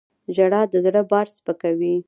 • ژړا د زړه بار سپکوي.